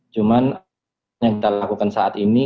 cuman yang kita lakukan saat ini